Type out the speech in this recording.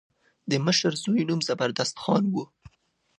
د مشر زوی نوم زبردست خان و.